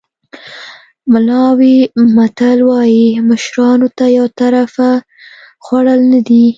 ملاوي متل وایي مشرانو ته یو طرفه خوړل نه دي.